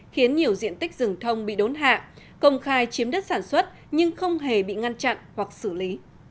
khiến nhiều diện tích rừng thông bị đốn hạ công khai chiếm đất sản xuất nhưng không hề bị ngăn chặn hoặc xử lý